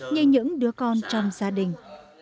như những đứa con trong gia đình